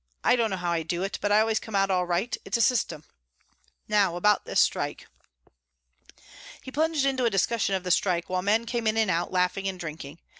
I don't know how I do it, but I always come out all right. It's a system Now about this strike." He plunged into a discussion of the strike while men came in and out, laughing and drinking.